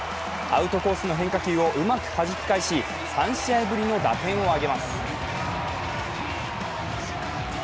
アウトコースの変化球をうまくはじき返し３試合ぶりの打点を挙げます。